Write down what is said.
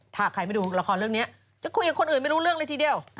ถ้าใครไม่ดูละครเรื่องนี้จะคุยกับคนอื่นไม่รู้เรื่องเลยทีเดียว